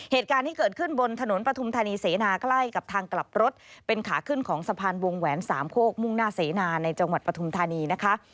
เหตุการณ์ที่เกิดขึ้นบนถนนปฐุมธานีเสนาใกล้กับทางกลับรถเป็นขาขึ้นของสะพานวงแหวนสามโคกมุ่งหน้าเสนาในจังหวัดปฐุมธานีนะคะ